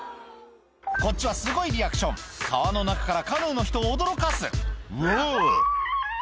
こっちはすごいリアクション川の中からカヌーの人を驚かす「わっ！」